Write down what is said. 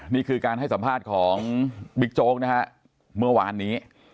นี่คือการให้สัมภาษณ์ของบิ๊กโจ๊กนะฮะเมื่อวานนี้